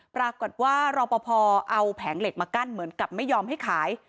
ปรากฏว่ารอปภเอาแผงเหล็กมากั้นเหมือนกับไม่ยอมให้ขาย